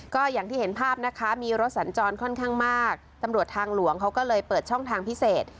ก็อย่างที่เห็นภาพนะคะมีรถสัญจรค่อนข้างมากตำรวจทางหลวงเขาก็เลยเปิดช่องทางพิเศษ